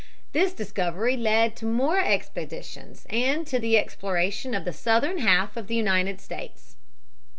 This discovery led to more expeditions and to the exploration of the southern half of the United States.